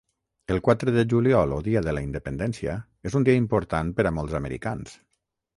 El quatre de juliol, o Dia de la Independència, és un dia important per a molts americans.